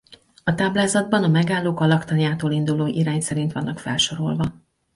A táblázatban a megállók a laktanyától induló irány szerint vannak felsorolva.